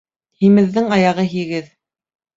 Һимеҙҙең аяғы һигеҙ.